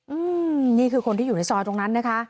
อืมนี่คือคนที่อยู่ในซอยตรงนั้นนะคะ